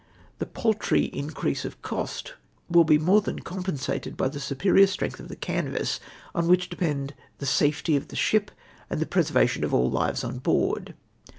The paltry increase of cost will be more than compen sated by the superior strength of the canvass, on which def)end the safety of the ship and the preservation of all the lives on board.